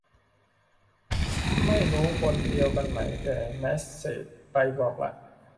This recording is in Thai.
ไม่รู้คนเดียวกันไหม แต่เมสเสจไปบอกละ